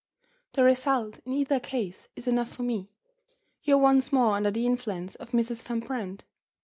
The result, in either case, is enough for me. You are once more under the influence of Mrs. Van Brandt.